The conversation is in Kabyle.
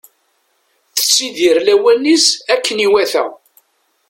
Tettidir lawan-is akken iwata.